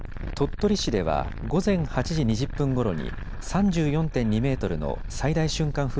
鳥取市では午前８時２０分ごろに３４．２メートルの最大瞬間